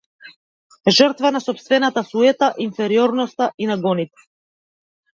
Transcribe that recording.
Жртва на сопствената суета, инфериорноста и нагоните.